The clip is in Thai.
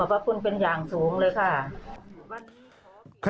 เป็นอย่างสูงเลยค่ะ